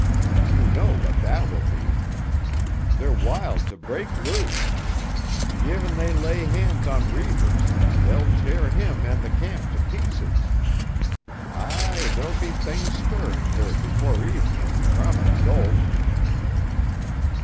You know what that will be. They're wild to break loose. Gi'n they lay hands on Reivers they'll tear him and the camp to pieces. Aye, there'll be things stirring here before evening, or I'm a dolt."